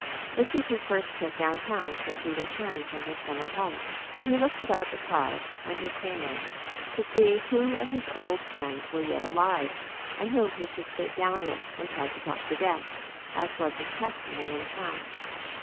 This was his first trip downtown since he returned from his summer home, and he looked about the car when he came in to see who of his old friends were yet alive, and whom he should sit down with and try to talk to death, as was his custom when in town.